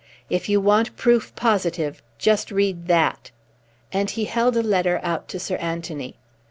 If you want proof positive, just read that." And he held a letter out to Sir Anthony.